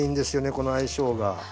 この相性が。